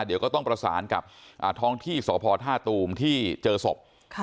เดี๋ยวก็ต้องประสานกับท้องที่สพท่าตูมที่เจอศพ